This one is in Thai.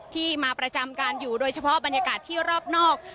ที่มาประจำการอยู่โดยเฉพาะบรรยากาศที่รอบนอก